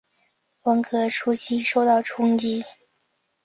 文革初期受到冲击。